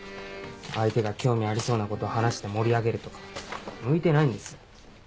相手が興味ありそうなこと話して盛り上げるとか向いてないんです。